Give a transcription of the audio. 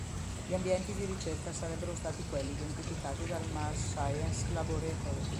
Gli ambienti di ricerca sarebbero stati quelli identificati dal Mars Science Laboratory.